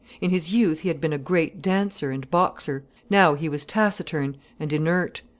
In his youth he had been a great dancer and boxer. Now he was taciturn, and inert.